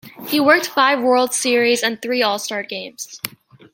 He worked five World Series and three All-Star Games.